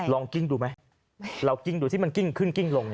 ลองกิ้งดูไหมเรากิ้งดูที่มันกิ้งขึ้นกิ้งลง